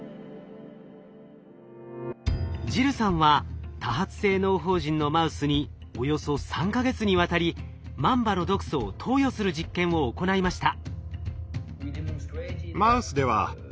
ジルさんは多発性嚢胞腎のマウスにおよそ３か月にわたりマンバの毒素を投与する実験を行いました。